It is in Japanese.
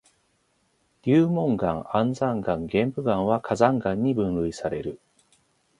流紋岩、安山岩、玄武岩は火山岩に分類される。